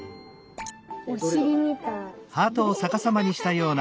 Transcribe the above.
おしりみたい。